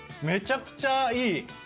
めちゃくちゃいい。